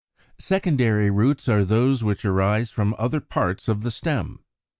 =Secondary Roots= are those which arise from other parts of the stem.